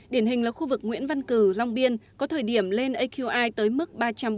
điển hình là khu vực nguyễn văn cử long biên có thời điểm lên aqi tới mức ba trăm bốn mươi